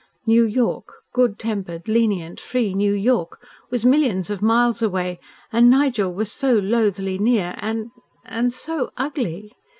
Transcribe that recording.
New York, good tempered, lenient, free New York, was millions of miles away and Nigel was so loathly near and and so ugly.